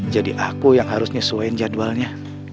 jadi aku yang harus nyesuaiin jadwalnya